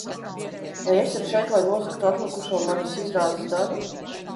Vai esat šeit, lai nozagtu atlikušo manas izrādes daļu?